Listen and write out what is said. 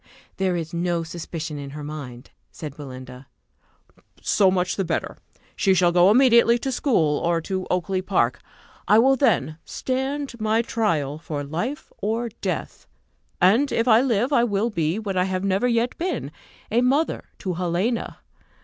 "There is no suspicion in her mind," said Belinda. "So much the better: she shall go immediately to school, or to Oakly park. I will then stand my trial for life or death; and if I live I will be, what I have never yet been, a mother to Helena.